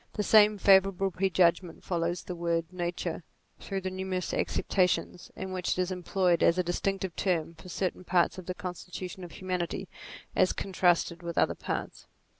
The same favour able prejudgment follows the word nature through the numerous acceptations, in which it is employed as a distinctive term for certain parts of the constitution of humanity as contrasted with other parts.